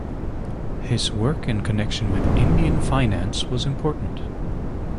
His work in connection with Indian finance was important.